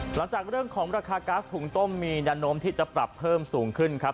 หลังจากเรื่องของราคาก๊าซหุงต้มมีแนวโน้มที่จะปรับเพิ่มสูงขึ้นครับ